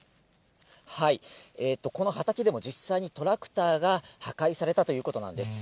この畑でも実際にトラクターが破壊されたということなんです。